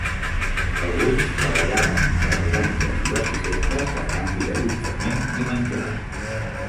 Alguns treballaven a les granges i les hisendes a canvi d'allotjament i menjar.